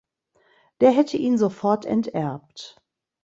Der hätte ihn sofort enterbt.